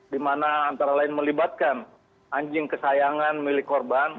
di mana antara lain melibatkan anjing kesayangan milik korban